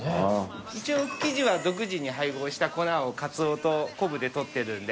一応生地は独自に配合した粉をカツオと昆布で取ってるんで。